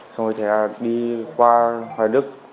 xong rồi thì đi qua hòa đức